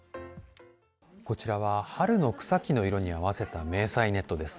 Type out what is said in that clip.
こちらは春の草木の色に合わせた迷彩ネットです。